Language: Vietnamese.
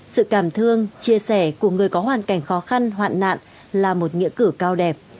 sự cảm thương chia sẻ của người có hoàn cảnh khó khăn hoạn nạn là một nghĩa cử cao đẹp